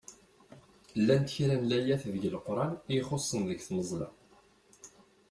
Llant kra n layat deg Leqran i ixuṣṣen deg tmeẓla.